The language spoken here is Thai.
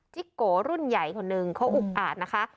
โกรุ่นใหญ่คนหนึ่งเขาอุกอาดนะคะ